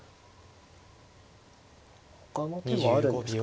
ほかの手もあるんですかね。